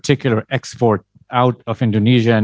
terutama ekspor dari indonesia